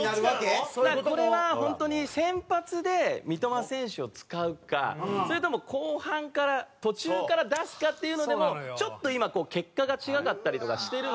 これは本当に先発で三笘選手を使うかそれとも後半から途中から出すかっていうのでもちょっと今結果が違かったりとかしてるので。